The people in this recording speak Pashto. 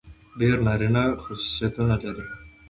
ډېر نارينه خصوصيتونه لري.